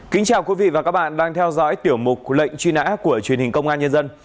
kính chào quý vị và các bạn đang theo dõi tiểu mục lệnh truy nã của truyền hình công an nhân dân